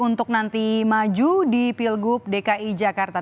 untuk nanti maju di pilgub dki jakarta